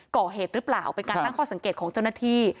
ก่อเหตุหรือเปล่าเป็นการตั้งข้อสังเกตของเจ้าหน้าที่